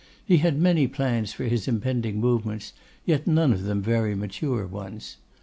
He had many plans for his impending movements, yet none of them very mature ones.